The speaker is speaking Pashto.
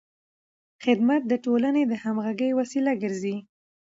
خدمت د ټولنې د همغږۍ وسیله ګرځي.